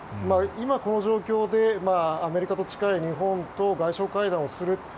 今、この状況でアメリカと近い日本と外相会談をする。